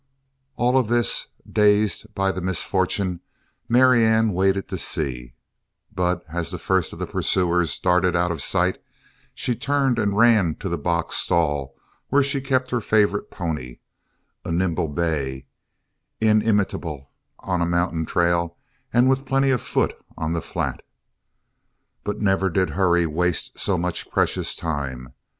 All of this, dazed by the misfortune, Marianne waited to see, but as the first of the pursuers darted out of sight she turned and ran to the box stall where she kept her favorite pony, a nimble bay, inimitable on a mountain trail and with plenty of foot on the flat. But never did hurry waste so much precious time.